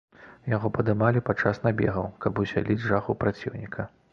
Яго падымалі падчас набегаў, каб усяліць жах у праціўніка.